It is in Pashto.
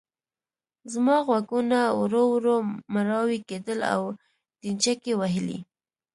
زما غوږونه ورو ورو مړاوي کېدل او ډينچکې وهلې.